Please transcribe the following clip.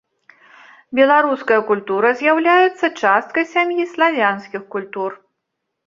Беларуская культура з'яўляецца часткай сям'і славянскіх культур.